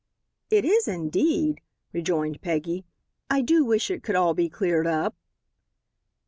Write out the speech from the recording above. "It is, indeed," rejoined Peggy. "I do wish it could all be cleared up."